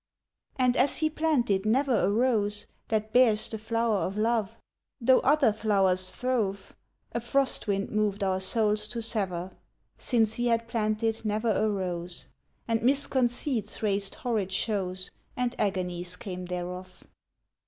And as he planted never a rose That bears the flower of love, Though other flowers throve A frost wind moved our souls to sever Since he had planted never a rose; And misconceits raised horrid shows, And agonies came thereof.